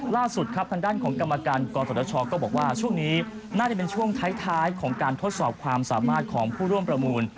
ล่าสุดครับทางด้านของกรรมการกศชก็บอกว่าช่วงนี้น่าจะเป็นช่วงท้ายของการทดสอบความสามารถของผู้ร่วมประมูล